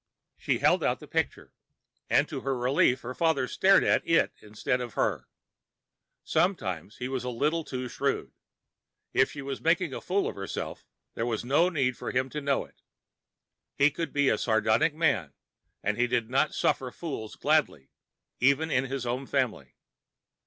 She held out the picture and, to her relief, her father stared at that instead of at her. Sometimes he was a little too shrewd; if she was making a fool of herself, there was no need for him to know it. He could be a sardonic man and he did not suffer fools gladly, even in his own family.